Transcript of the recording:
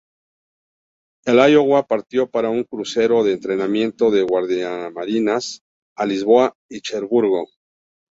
El "Iowa" partió para un crucero de entrenamiento de guardiamarinas a Lisboa y Cherburgo.